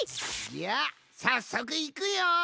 じゃあさっそくいくよん！